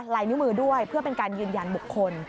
ลายนิ้วมือด้วยเพื่อเป็นการยืนยันบุคคล